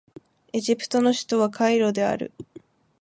エジプトの首都はカイロである